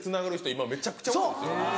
今めちゃくちゃ多いですよ。